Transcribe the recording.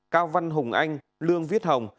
cao văn hùng anh lương viết hồng